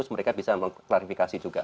mereka bisa mengklarifikasi juga